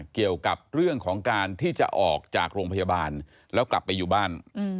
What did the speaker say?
เกี่ยวกับเรื่องของการที่จะออกจากโรงพยาบาลแล้วกลับไปอยู่บ้าน